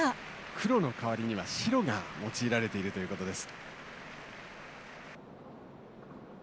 黒の代わりには白が用いられているということです。